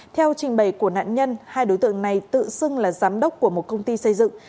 theo trình bày của nạn nhân hai đối tượng này tự xưng là giám đốc của một công ty xây dựng